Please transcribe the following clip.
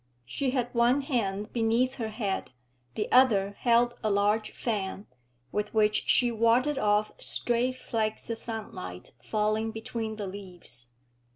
She had one hand beneath her head, the other held a large fan, with which she warded off stray flakes of sunlight falling between the leaves.